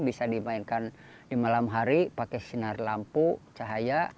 bisa dimainkan di malam hari pakai sinar lampu cahaya